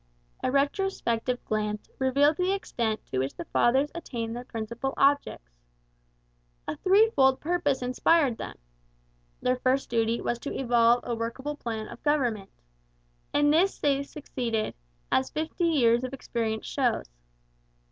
A retrospective glance reveals the extent to which the Fathers attained their principal objects. A threefold purpose inspired them. Their first duty was to evolve a workable plan of government. In this they succeeded, as fifty years of experience shows.